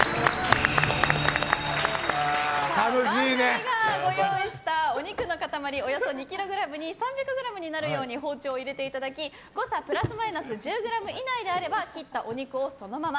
番組がご用意したお肉の塊２ｋｇに３００ｇになるように包丁を入れていただき誤差プラスマイナス１０ｇ以内であれば切ったお肉をそのまま。